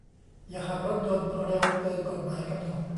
อย่าขับรถยนต์เร็วเกินกฎหมายกำหนด